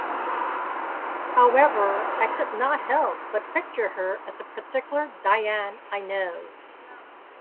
However, I could not help but picture her as a particular Diane I know.